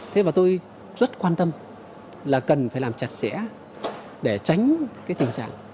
thế và tôi rất quan tâm là cần phải làm chặt chẽ để tránh cái tình trạng